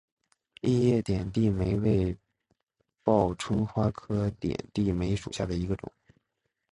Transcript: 异叶点地梅为报春花科点地梅属下的一个种。